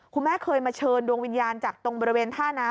คุณแม่เคยมาเชิญดวงวิญญาณจากตรงบริเวณท่าน้ำ